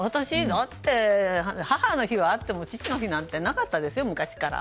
だって、母の日はあっても父の日なんてなかったですよ、昔から。